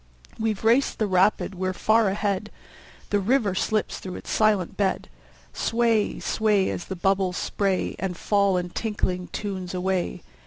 We've raced the rapid, we're far ahead! The river slips through its silent bed. Sway, sway, As the bubbles spray And fall in tinkling tunes away.